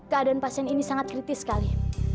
keadaan pasien ini sangat kritis sekali